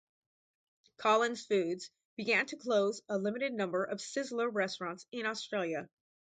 Collins Foods began to close a limited number of Sizzler restaurants in Australia.